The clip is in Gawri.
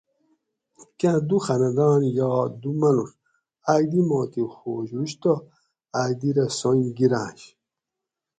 کاں دو خاندان یا دو مانوڄ اکدی ما تھی خوش ہوشتہ اکدی رہ سنگ گِراۤنش